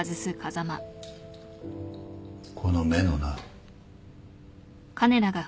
この目のな。